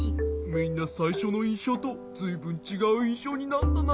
みんなさいしょのいんしょうとずいぶんちがういんしょうになったな。